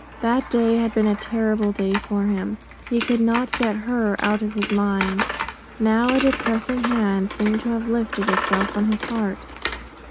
That day had been a terrible day for him. He could not get her out of his mind. Now a depressing hand seemed to have lifted itself from his heart.